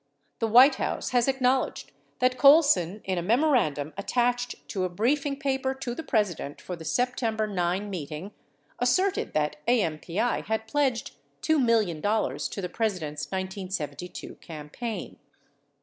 The White House has acknowledged that Colson, in a memorandum attached to a briefing paper to the President for the September 9 meeting, asserted that AMPI had pledged $2 million to the Pres ident's 1972 campaign.